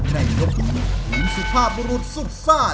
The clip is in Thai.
ในยกนี้ทีมสุภาพบรุษสุดซ่า